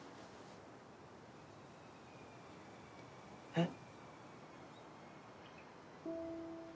えっ？